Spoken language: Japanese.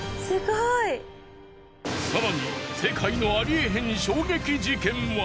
更に世界のありえへん衝撃事件は。